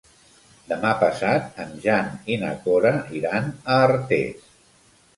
Demà passat en Jan i na Cora iran a Artés.